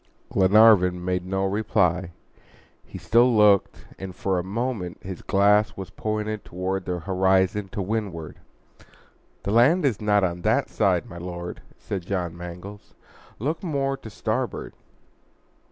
Glenarvan made no reply. He still looked, and for a moment his glass was pointed toward the horizon to windward. "The land is not on that side, my Lord," said John Mangles. "Look more to starboard."